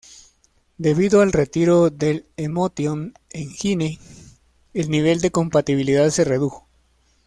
Debido al retiro del "Emotion Engine", el nivel de compatibilidad se redujo.